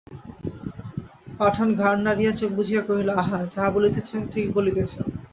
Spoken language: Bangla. পাঠান ঘাড় নাড়িয়া চোখ বুজিয়া কহিল, আহা, যাহা বলিতেছেন, ঠিক বলিতেছেন।